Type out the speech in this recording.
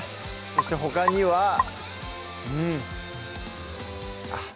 そしてほかにはうんあっ